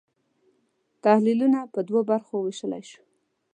تحلیلونه پر دوو برخو وېشلای شو.